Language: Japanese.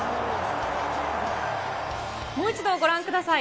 もう一度ご覧ください。